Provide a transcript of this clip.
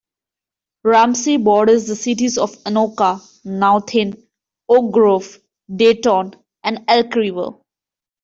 Ramsey borders the cities of Anoka, Nowthen, Oak Grove, Dayton, and Elk River.